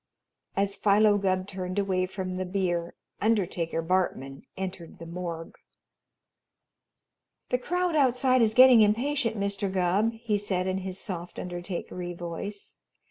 As Philo Gubb turned away from the bier, Undertaker Bartman entered the morgue. "The crowd outside is getting impatient, Mr. Gubb," he said in his soft, undertakery voice.